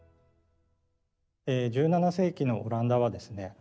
１７世紀のオランダはですね